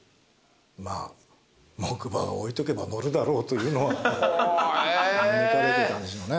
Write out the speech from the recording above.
まあ木馬を置いとけば乗るだろうというのは見抜かれてたんでしょうね。